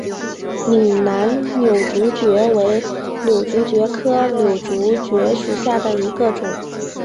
岭南瘤足蕨为瘤足蕨科瘤足蕨属下的一个种。